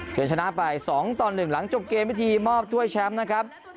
ชนะไป๒ต่อ๑หลังจบเกมวิธีมอบถ้วยแชมป์นะครับ